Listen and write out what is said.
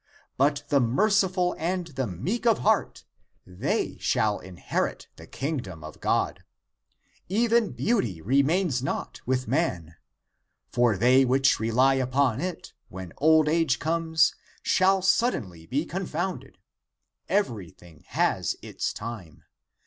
But the mer ciful and the meek of heart — they shall inherit the Kingdom of God. Even beauty remains not with man. For they which rely upon it, when old age comes, shall suddenly be confounded. Every thing has its time.